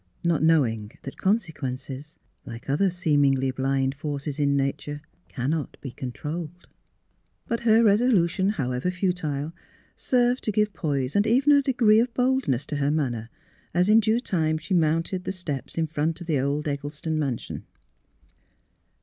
Not knowing that consequences, like other seemingly blind forces in nature, cannot be controlled. But her resolution, however futile, served to give poise and even a degree of boldness to her manner, as in due time she mounted the steps in 143 144 THE HEAET OF PHILURA front of the old Eggleston mansion.